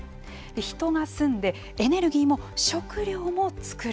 人が住んでエネルギーも食糧も作る。